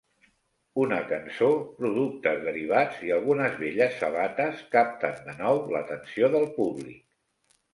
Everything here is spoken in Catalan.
Una cançó, productes derivats, i algunes velles sabates capten de nou l'atenció del públic.